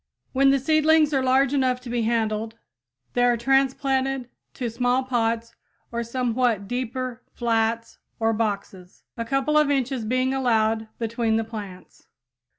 When the seedlings are large enough to be handled they are transplanted to small pots or somewhat deeper flats or boxes, a couple of inches being allowed between the plants.